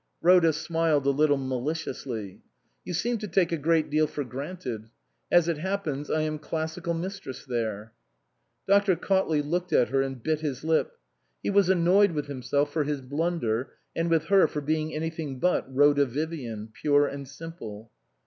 Rhoda smiled a little maliciously. " You seem to take a great deal for granted. As it happens I am Classical Mistress there." Dr. Cautley looked at her and bit his lip. He was annoyed with himself for his blunder and with her for being anything but Rhoda Vivian pure and simple.